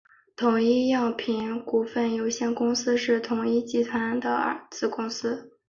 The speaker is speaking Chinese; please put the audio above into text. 统一药品股份有限公司是统一企业集团的子公司。